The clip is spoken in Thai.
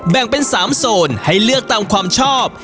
แบ่งเป็น๓โซนให้เลือกตามความชอบ